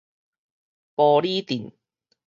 埔里鎮